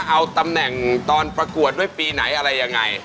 เอาตำแหน่งตอนประกวดด้วยปีไหนอะไรยังไง